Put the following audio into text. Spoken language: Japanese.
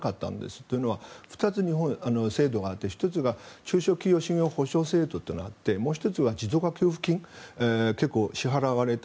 というのは２つ、日本は制度があって中小企業補償制度というのがあってもう１つは持続化給付金結構支払われた。